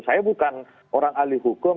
saya bukan orang ahli hukum